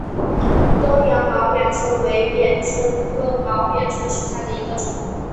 东洋毛扁蝽为扁蝽科毛扁蝽属下的一个种。